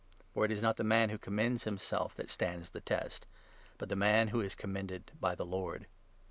For it is not the man who commends himself that 18 stands the test, but the man who is commended by the Lord.